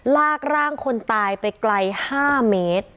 ลากร่างคนตายไปไกล๕เมตร